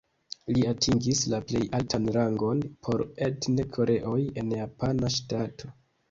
Li atingis la plej altan rangon por etne koreoj en japana ŝtato.